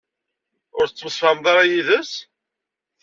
Ur tettemsefhameḍ ara yid-s?